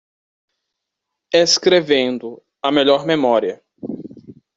Escrevendo, a melhor memória.